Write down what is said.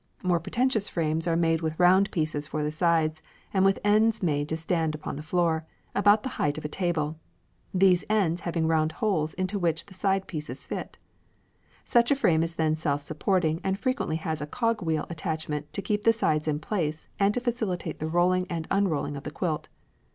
More pretentious frames are made with round pieces for the sides, and with ends made to stand upon the floor, about the height of a table, these ends having round holes into which the side pieces fit. Such a frame is then self supporting and frequently has a cogwheel attachment to keep the sides in place and to facilitate the rolling and unrolling of the quilt.